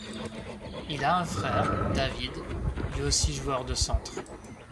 Il a un frère, David, lui aussi joueur de centre.